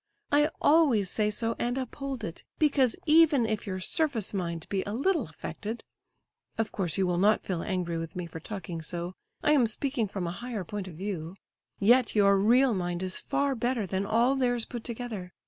I always say so and uphold it, because even if your surface mind be a little affected (of course you will not feel angry with me for talking so—I am speaking from a higher point of view) yet your real mind is far better than all theirs put together.